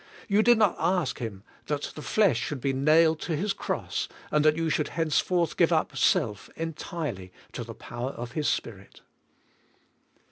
You did not ask Him that the liesh should be nailed to His cross, and that you should henceforth give up self entirely to the power of His Spirit.